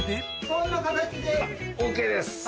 ＯＫです！